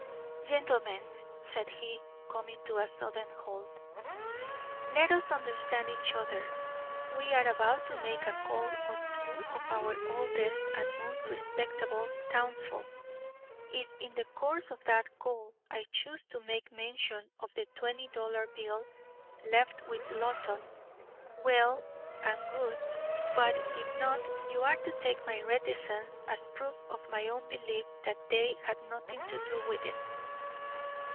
"Gentlemen," said he, coming to a sudden halt, "let us understand each other. We are about to make a call on two of our oldest and most respectable townsfolk. If in the course of that call I choose to make mention of the twenty dollar bill left with Loton, well and good, but if not, you are to take my reticence as proof of my own belief that they had nothing to do with it."